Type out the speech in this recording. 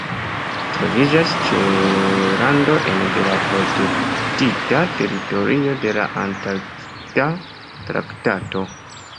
Ĝi troviĝas ĉe rando ene de la protektita teritorio de la Antarkta traktato.